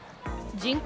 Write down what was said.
人口